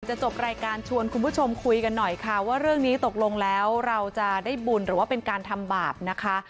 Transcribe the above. จบรายการชวนคุณผู้ชมคุยกันหน่อยค่ะว่าเรื่องนี้ตกลงแล้วเราจะได้บุญหรือว่าเป็นการทำบาปนะคะ